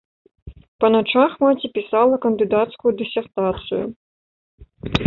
Па начах маці пісала кандыдацкую дысертацыю.